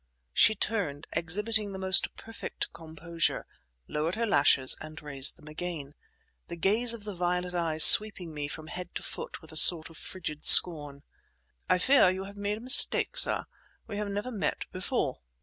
She turned, exhibiting the most perfect composure, lowered her lashes and raised them again, the gaze of the violet eyes sweeping me from head to foot with a sort of frigid scorn. "I fear you have made a mistake, sir. We have never met before!"